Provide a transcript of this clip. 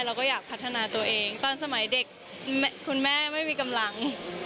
เราก็อยากพัฒนาตัวเองตอนสมัยเด็กคุณแม่ไม่มีกำลัง